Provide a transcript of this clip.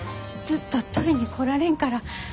ずっと取りに来られんから。